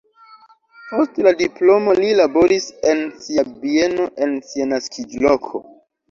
Post la diplomo li laboris en sia bieno en sia naskiĝloko.